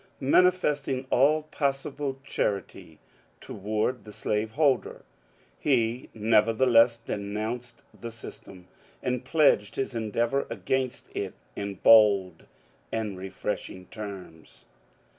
Manifesting all possible charity toward the slave holder, he nevertheless denounced the system, and pledged his endeavour against it in bold and refreshing terms."